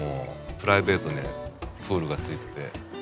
プライベートでプールが付いてて。